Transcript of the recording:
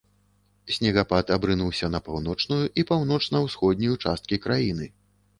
Снегапад абрынуўся на паўночную і паўночна-ўсходнюю часткі краіны.